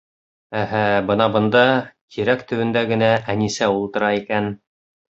Әһә, бына бында, тирәк төбөндә генә, Әнисә ултыра икән.